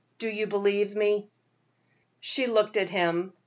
Do you believe me?" She looked at him.